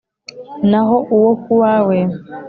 naho uwo ku wawe